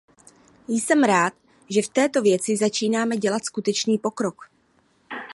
Jsem rád, že v této věci začínáme dělat skutečný pokrok.